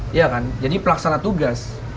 iya kan jadi pelaksana tugas